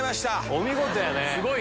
お見事やね。